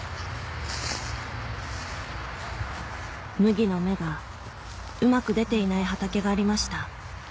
麦の芽がうまく出ていない畑がありました